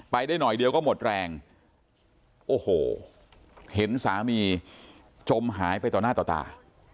ได้หน่อยเดียวก็หมดแรงโอ้โหเห็นสามีจมหายไปต่อหน้าต่อตา